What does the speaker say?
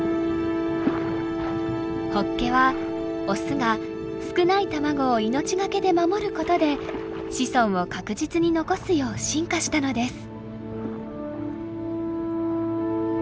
ホッケはオスが少ない卵を命懸けで守ることで子孫を確実に残すよう進化したのです。